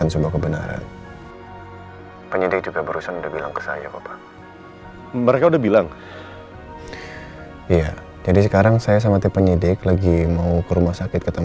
sampai jumpa di video selanjutnya